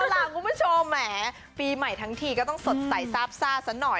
เอาล่ะคุณผู้ชมแหมปีใหม่ทั้งทีก็ต้องสดใสซาบซ่าซะหน่อย